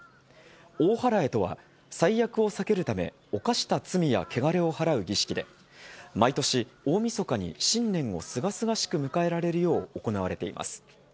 大祓とは、災厄を避けるため、犯した罪や汚れを払う儀式で、毎年、大みそかに新年をすがすがしく迎えられるよう、行われています。